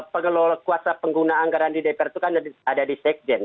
pengelola kuasa pengguna anggaran di dpr itu kan ada di sekjen